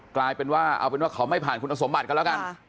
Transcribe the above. กลายเป็นว่าเอาเป็นว่าเขาไม่ผ่านคุณสมบัติกันแล้วกัน